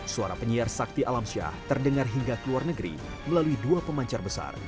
suara penyiar sakti alamsyah terdengar hingga ke luar negeri melalui dua pemancar besar